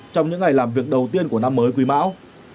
trong những ngày làm việc đầu tiên của năm mới quý mão